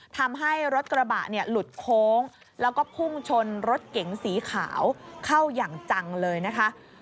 ทำให้รถกระบะเนี่ยหลุดโค้งแล้วก็พุ่งชนรถเก๋งสีขาวเข้าอย่างจังเลยนะคะ